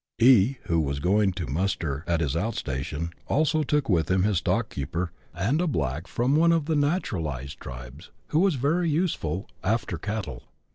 E , who was going to " muster " at his out station, also took with him his stockkeeper, and a black from one of the " naturalized " tribes, who was very useful *' after cattle."